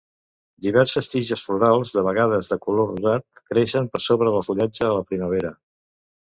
Diverses tiges florals, de vegades de color rosat, creixen per sobre del fullatge a la primavera.